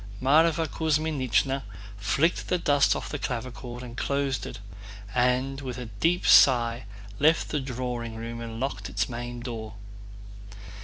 Mávra Kuzmínichna flicked the dust off the clavichord and closed it, and with a deep sigh left the drawing room and locked its main door.